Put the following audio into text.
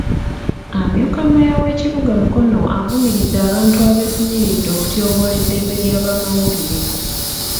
Amyuka mmeeya w'ekibuga Mukono avumiridde abantu abeefunyiridde okutyoboola eddembe ly'abamawulire.